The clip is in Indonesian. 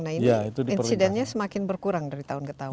nah ini insidennya semakin berkurang dari tahun ke tahun